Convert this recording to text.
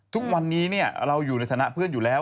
ทุกวันนี้เราอยู่ในฐานะเพื่อนอยู่แล้ว